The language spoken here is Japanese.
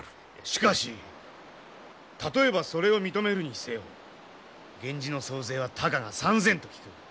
しかし例えばそれを認めるにせよ源氏の総勢はたかが３，０００と聞く。